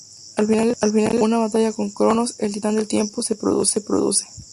Al final del juego, una batalla con Cronos, el titán de tiempo, se produce.